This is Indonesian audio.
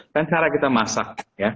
dan cara kita masak